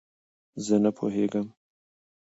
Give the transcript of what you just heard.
زه نه پوهېږم